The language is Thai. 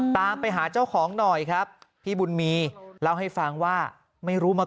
ตามไปหาเจ้าของหน่อยครับพี่บุญมีเล่าให้ฟังว่าไม่รู้มา